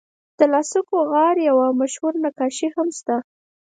د لاسکو غار یوه مشهور نقاشي هم شته.